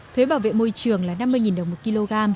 thuế bảo vệ môi trường là năm mươi đồng một kg